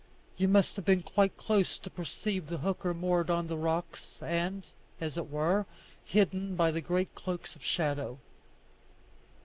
You must have been quite close to perceive the hooker moored to the rocks, and, as it were, hidden by the great cloaks of shadow.